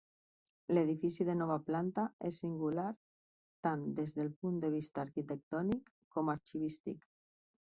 L’edifici de nova planta és singular tant des del punt de vista arquitectònic com arxivístic.